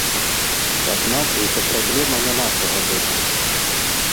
Аднак гэта праблема не нашага боку.